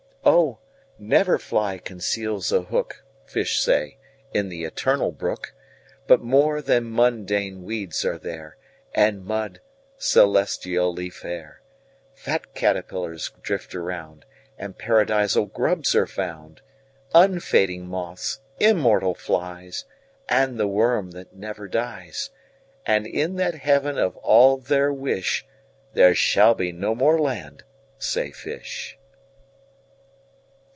25Oh! never fly conceals a hook,26Fish say, in the Eternal Brook,27But more than mundane weeds are there,28And mud, celestially fair;29Fat caterpillars drift around,30And Paradisal grubs are found;31Unfading moths, immortal flies,32And the worm that never dies.33And in that Heaven of all their wish,34There shall be no more land, say fish.